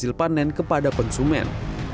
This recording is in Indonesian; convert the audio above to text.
hasil panen kepada konsumen